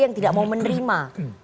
yang tidak mau menerima